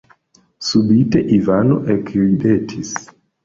Subite Ivano ekridetis.